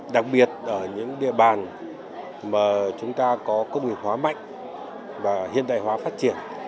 đặc biệt ở những địa bàn mà chúng ta có công nghiệp hóa mạnh và hiện đại hóa phát triển